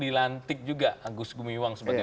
dilantik juga agus gumiwang sebagai